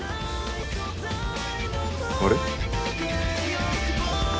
あれ？